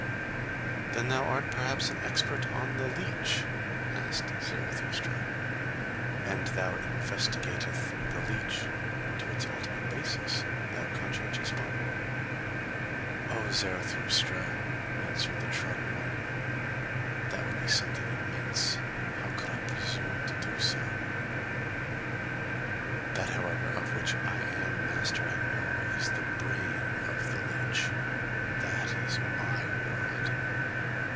"Then thou art perhaps an expert on the leech?" asked Zarathustra; "and thou investigatest the leech to its ultimate basis, thou conscientious one?" "O Zarathustra," answered the trodden one, "that would be something immense; how could I presume to do so! That, however, of which I am master and knower, is the BRAIN of the leech: that is MY world!